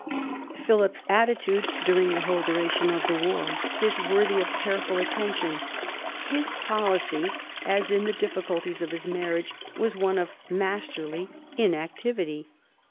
Philip's attitude during the whole duration of the war is worthy of careful attention. His policy, as in the difficulties of his marriage, was one of masterly inactivity.